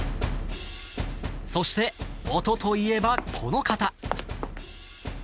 そして音といえば、この方。